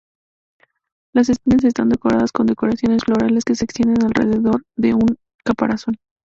Las esquinas están decoradas con decoraciones florales que se extienden alrededor de un caparazón.